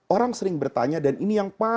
orang sering bertanya dan ini yang paling